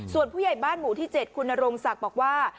ส่วนผู้ใหญ่บ้านหมู่ที่๗คุณนรงศักดิ์บอกว่า